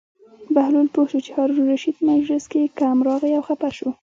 بهلول پوه شو چې هارون الرشید په مجلس کې کم راغی او خپه شو.